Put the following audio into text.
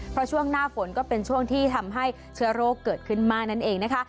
เพราะช่วงหน้าฝนก็เป็นช่วงที่ทำให้เชื้อโรคเกิดขึ้นมานั่นเองนะคะ